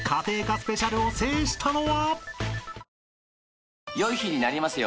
スペシャルを制したのは？］